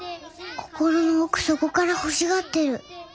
心の奥底から欲しがってる。